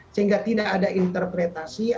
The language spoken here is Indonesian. sehingga tidak ada interpretasi